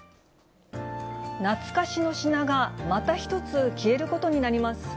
懐かしの品がまた一つ消えることになります。